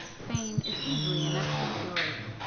Fame is easily enough secured."